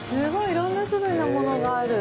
いろんな種類のものがある。